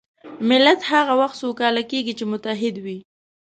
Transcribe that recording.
ملت هغه وخت سوکاله کېږي چې متحد وي.